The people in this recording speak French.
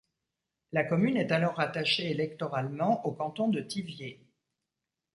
La commune est alors rattachée électoralement au canton de Thiviers.